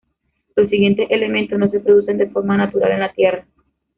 Los siguientes elementos no se producen de forma natural en la Tierra.